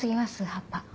葉っぱ。